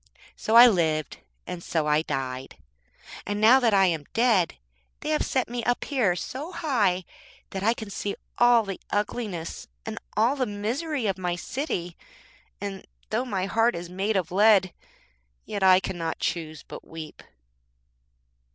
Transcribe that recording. So I lived, and so I died. And now that I am dead they have set me up here so high that I can see all the ugliness and all the misery of my city, and though my heart is made of lead yet I cannot choose but weep.'